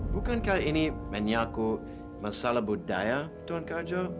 bukankah ini menyaku masalah budaya tuan karjo